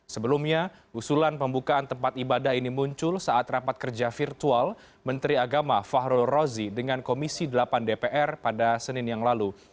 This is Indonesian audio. sebelumnya usulan pembukaan tempat ibadah ini muncul saat rapat kerja virtual menteri agama fahrul rozi dengan komisi delapan dpr pada senin yang lalu